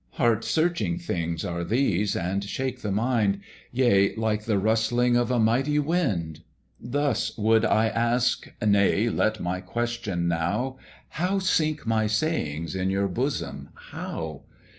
"Heart searching things are these, and shake the mind, Yea, like the rustling of a mighty wind. "Thus would I ask: 'Nay, let me question now, How sink my sayings in your bosoms? how?